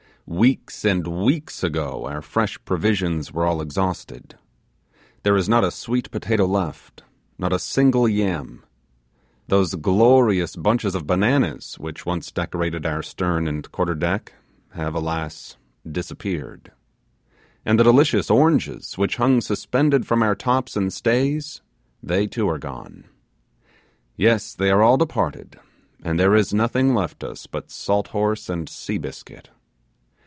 Weeks and weeks ago our fresh provisions were all exhausted. There is not a sweet potato left; not a single yam. Those glorious bunches of bananas, which once decorated our stern and quarter deck, have, alas, disappeared! and the delicious oranges which hung suspended from our tops and stays they, too, are gone! Yes, they are all departed, and there is nothing left us but salt horse and sea biscuit.